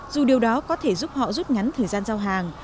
dù điều đó có thể giúp họ rút ngắn thời gian giao hàng